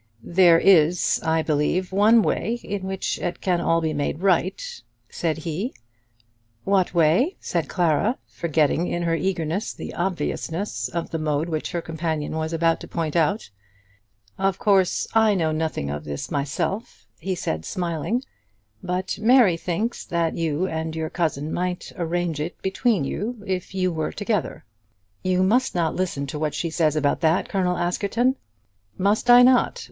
"There is, I believe, one way in which it can all be made right," said he. "What way?" said Clara, forgetting in her eagerness the obviousness of the mode which her companion was about to point out. "Of course, I know nothing of this myself," he said smiling; "but Mary thinks that you and your cousin might arrange it between you if you were together." "You must not listen to what she says about that, Colonel Askerton." "Must I not?